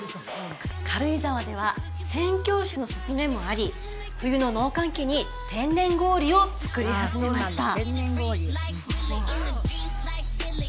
軽井沢では宣教師の勧めもあり冬の農閑期に天然氷を作り始めました